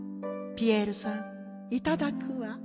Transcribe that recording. ピエールさんいただくわ。